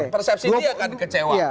persepsi dia akan kecewa